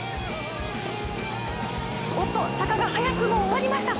おっと、坂が早くも終わりました。